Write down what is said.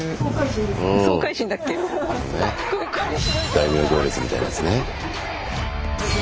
大名行列みたいなやつね。